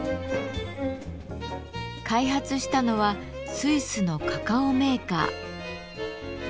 開発したのはスイスのカカオメーカー。